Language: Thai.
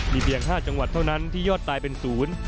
เพียง๕จังหวัดเท่านั้นที่ยอดตายเป็นศูนย์